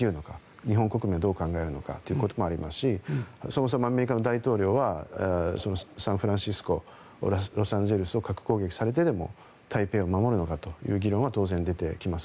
日本国民はどう考えるのかということもありますしそもそもアメリカの大統領はサンフランシスコロサンゼルスを核攻撃されてでも台北を守るのかという議論は当然、出てきます。